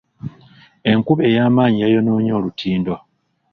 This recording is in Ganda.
Enkuba ey'amaanyi yayonoonye olutindo.